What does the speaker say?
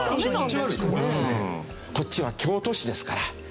こっちは京都市ですから。